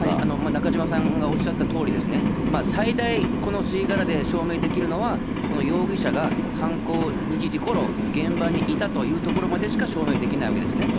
中島さんがおっしゃったとおり、最大この吸い殻で証明できるのは、この容疑者が犯行日時ごろ、現場にいたということしか証明できないわけですね。